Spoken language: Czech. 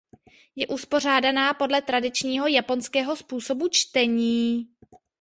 Je uspořádaná podle tradičního japonského způsobu čtení.